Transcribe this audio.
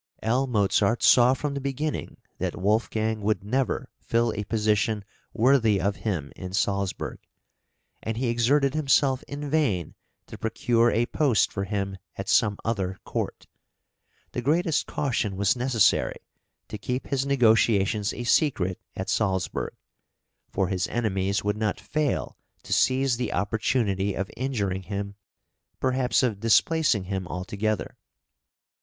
L. Mozart saw from the beginning that Wolfgang would never fill a position worthy of him in Salzburg; and he exerted himself in vain to procure a post for him at some other court. The greatest caution was necessary to keep his negotiations a secret at Salzburg; for his {PLANS FOR MOZART'S FUTURE.} (345) enemies would not fail to seize the opportunity of injuring him, perhaps of displacing him altogether.